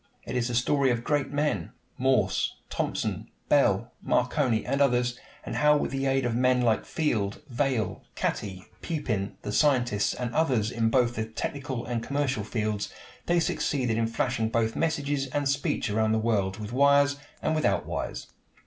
It is the story of great men Morse, Thomson, Bell, Marconi, and others and how, with the aid of men like Field, Vail, Catty, Pupin, the scientist, and others in both the technical and commercial fields, they succeeded in flashing both messages and speech around the world, with wires and without wires.